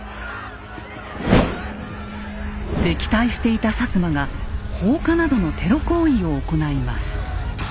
敵対していた摩が放火などのテロ行為を行います。